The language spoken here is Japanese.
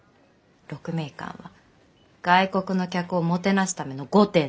鹿鳴館は外国の客をもてなすための御殿なんだよ。